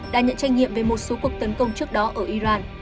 đã nhận tranh nghiệm về một số cuộc tấn công trước đó ở iran